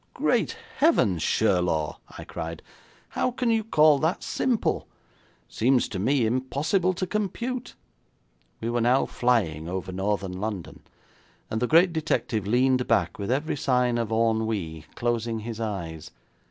'Great heavens, Sherlaw!' I cried. 'How can you call that simple? It seems to me impossible to compute.' We were now flying over Northern London, and the great detective leaned back with every sign of ennui, closing his eyes.